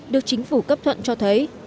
được chính phủ cấp thuận cho thấy